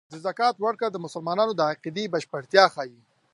د زکات ورکړه د مسلمان د عقیدې بشپړتیا ښيي.